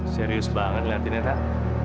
serius banget ngeliatinnya tak